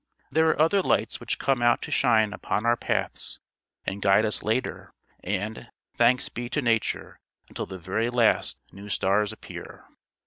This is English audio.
There are other lights which come out to shine upon our paths and guide us later; and, thanks be to nature, until the very last new stars appear.